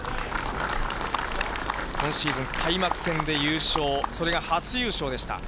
今シーズン、開幕戦で優勝、それが初優勝でした。